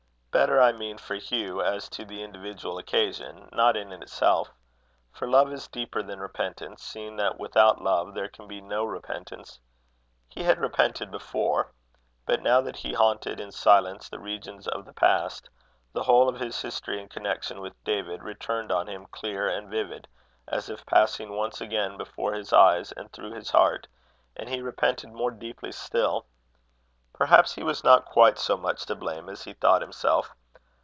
Better I mean for Hugh as to the individual occasion; not in itself; for love is deeper than repentance, seeing that without love there can be no repentance. He had repented before; but now that he haunted in silence the regions of the past, the whole of his history in connection with David returned on him clear and vivid, as if passing once again before his eyes and through his heart; and he repented more deeply still. Perhaps he was not quite so much to blame as he thought himself.